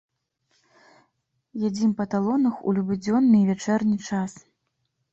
Ядзім па талонах у любы дзённы і вячэрні час.